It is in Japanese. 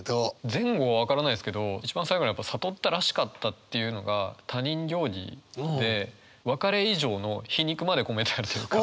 前後分からないですけど一番最後のやっぱ「悟ったらしかった」っていうのが他人行儀で別れ以上の皮肉まで込めてるというか。